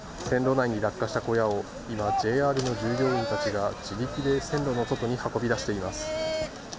線路内に落下した小屋を今、ＪＲの従業員たちが、自力で線路の外に運び出しています。